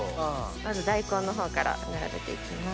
まず大根のほうから並べて行きます。